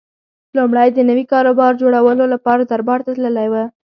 لومړی د نوي کاروبار جوړولو لپاره دربار ته تللی و